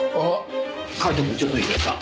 カイトくんちょっといいですか？